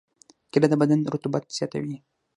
کېله د بدن رطوبت زیاتوي.